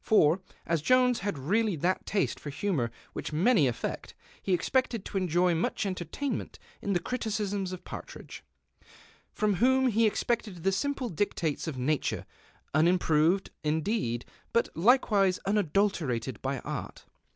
For, as Jones had really that taste for humour Avhieh many affeet, he expected to enjoy nnieh entertainment in the criticisms of Partridge ; from whom he expected the simple dictates of nature, unimproved, indeed, but likewise unadul terated by art.